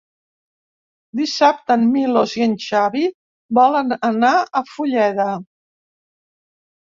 Dissabte en Milos i en Xavi volen anar a Fulleda.